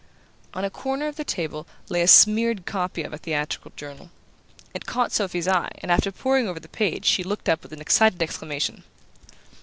On a corner of their table lay a smeared copy of a theatrical journal. It caught Sophy's eye and after poring over the page she looked up with an excited exclamation.